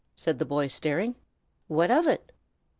said the boy, staring. "What of it?"